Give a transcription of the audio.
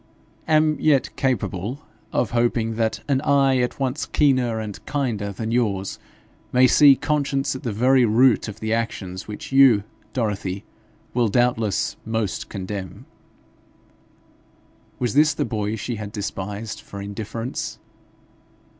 ' am yet capable of hoping that an eye at once keener and kinder than yours may see conscience at the very root of the actions which you, Dorothy, will doubtless most condemn.' Was this the boy she had despised for indifference?